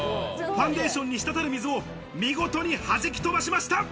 ファンデーションにしたたる水を見事に弾き飛ばしました。